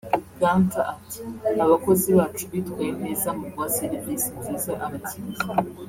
Gunter ati “Abakozi bacu bitwaye neza mu guha serivisi nziza abakiriya